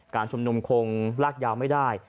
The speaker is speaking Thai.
การชุมนุมคงลากยาวไม่ได้